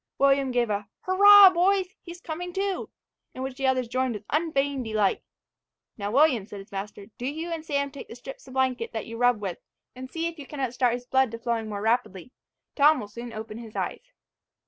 William gave a "Hurra boys! he's coming to," in which the others joined with unfeigned delight. "Now, William," said his master, "do you and Sam take the strips of blanket that you rub with, and see if you cannot start his blood to flowing more rapidly. Tom will soon open his eyes."